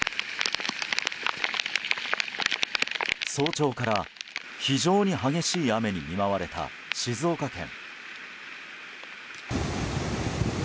早朝から非常に激しい雨に見舞われた静岡県。